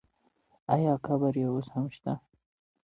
آیا قبر یې اوس هم شته؟